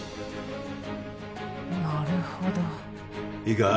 なるほどいいか？